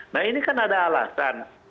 nah ini kan ada alasan